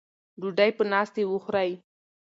ډوډۍ په ناستې وخورئ.